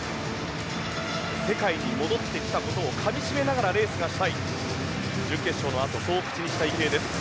世界に戻ってきたことをかみ締めながらレースがしたい準決勝のあと、そう口にした池江です。